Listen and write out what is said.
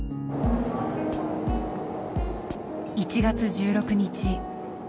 １月１６日。